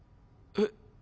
えっ？